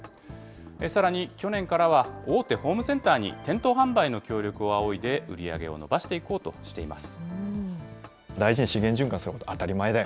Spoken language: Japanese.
さらに去年からは大手ホームセンターに店頭販売の協力を仰いで、売り上げを伸ばしていこうとしています。